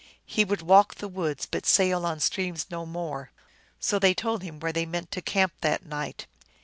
He would walk the woods, but sail on streams no more. So they told him where they meant to camp that night.